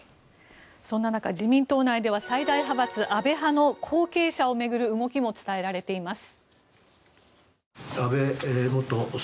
そんな中、自民党内では最大派閥・安倍派の後継者を巡る話も伝えられています。